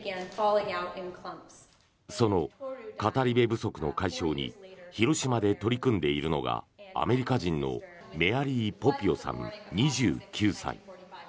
その語り部不足の解消に広島で取り組んでいるのがアメリカ人のメアリー・ポピオさん、２９歳。